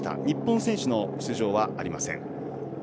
日本選手の出場はありません。